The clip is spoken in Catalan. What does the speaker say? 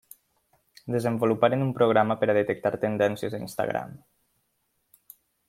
Desenvoluparen un programa per a detectar tendències a Instagram.